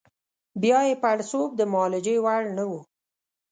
بیا یې پړسوب د معالجې وړ نه وو.